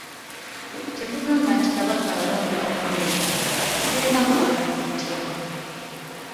Tetugamba nti Kabaka alonda omubeezi, tulina kugamba tutya?